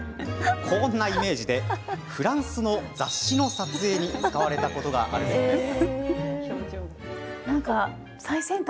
こんなイメージでフランスの雑誌の撮影に使われたことがあるそうです。